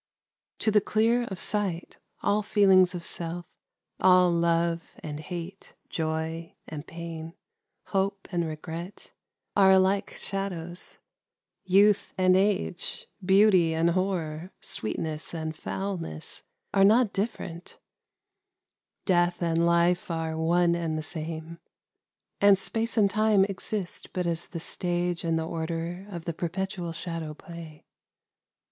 To the clear of sight, all feelings of self, — all love and hate, joy and pain, hope and regret, are alike shadows ;— youth and age, beauty and horror, sweetness and foulness, are not differ ent ;— death and life are one and the same ; and Space and Time exist but as the stage and the order of the perpetual Shadow play.